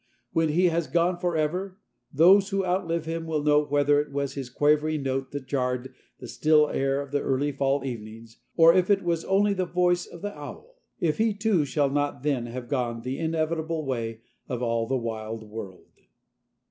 When he has gone forever, those who outlive him will know whether it was his quavering note that jarred the still air of the early fall evenings or if it was only the voice of the owl if he too shall not then have gone the inevitable way of all the wild world.